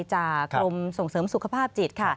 จากกรมส่งเสียมสุขภาพจิต